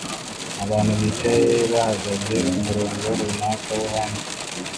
Abantu bicaye bahagaze kumurongo runaka wo hanze